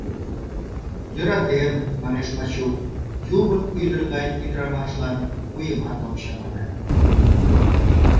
— Йӧратем, — манеш Мачук, — Юмын ӱдыр гай ӱдырамашлан вуемат ом чамане...